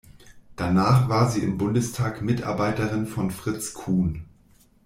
Danach war sie im Bundestag Mitarbeiterin von Fritz Kuhn.